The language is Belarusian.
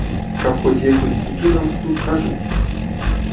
Каб хоць якімсьці чынам тут пражыць?